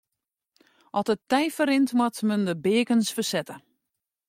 As it tij ferrint moat men de beakens fersette.